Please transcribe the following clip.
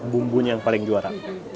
bumbunya yang paling juara